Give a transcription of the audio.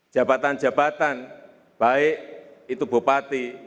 jabatan jabatan baik itu bupati